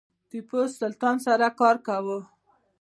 ټیپو سلطان سره کار کاوه.